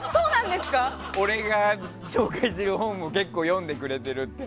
俺が紹介する本を結構読んでくれてるって。